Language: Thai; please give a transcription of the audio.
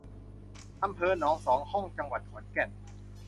อำเภอหนองสองห้อง จังหวัดขอนแก่น